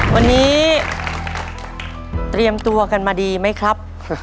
วันนี้เตรียมตัวกันมาดีไหมครับ